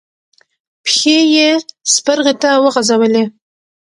پښې يې سپرغې ته وغزولې.